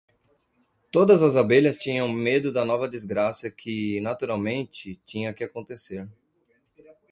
Todas as abelhas tinham medo da nova desgraça que, naturalmente, tinha que acontecer.